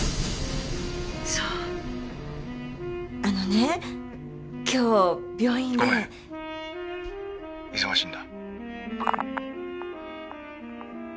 そうあのね今日病院で☎ごめん忙しいんだ